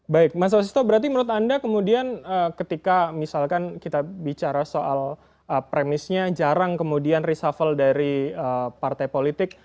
baik mas wasisto berarti menurut anda kemudian ketika misalkan kita bicara soal premisnya jarang kemudian reshuffle dari partai politik